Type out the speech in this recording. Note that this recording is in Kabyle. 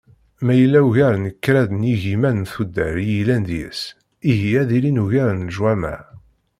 Ma yella ugar n kraḍ n yigiman n tuddar i yellan deg-s, ihi ad ilin ugar n leǧwamaɛ.